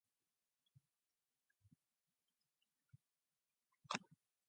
The village is home to The Waterways Trust's canal museum.